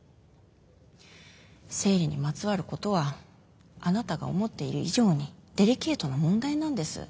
生理にまつわることはあなたが思っている以上にデリケートな問題なんです。